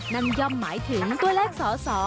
นั่นย่อมหมายถึงตัวเลขสอ